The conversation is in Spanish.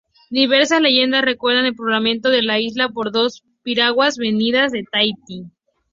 Diversas leyendas recuerdan el poblamiento de la isla por dos piraguas venidas de Tahiti.